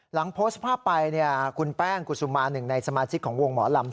หลังโพสต์ภาพไปเนี่ยคุณแป้งกุศมา๑ในสมาชิกของวงหมอลำ